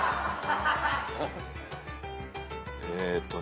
えっとね。